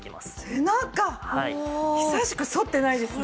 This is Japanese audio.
久しく反ってないですね。